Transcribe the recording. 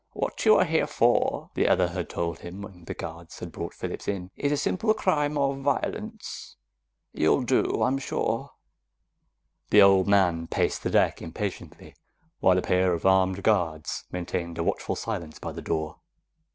"What you are here for," the other had told him when the guards had brought Phillips in, "is a simple crime of violence. You'll do, I'm sure." The old man paced the deck impatiently, while a pair of armed guards maintained a watchful silence by the door.